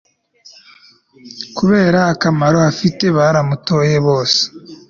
kubera akamaro afite baramutoye bose